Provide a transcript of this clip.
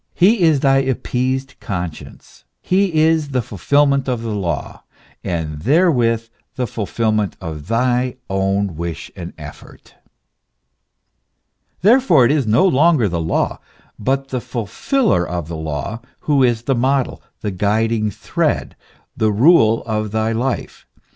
He is thy appeased conscience ; he is the fulfilment of the law, and therewith the fulfilment of thy own wish and effort. Therefore it is no longer the law, but the fulfiller of the law, who is the model, the guiding thread, the rule of thy life.